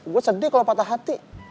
gue sedih kalau patah hati